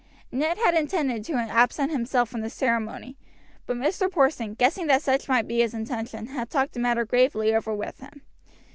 Ned had intended to absent himself from the ceremony, but Mr. Porson, guessing that such might be his intention, had talked the matter gravely over with him.